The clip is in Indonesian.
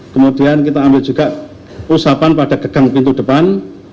kemudian kita ambil juga usapan pada gegang pintu depan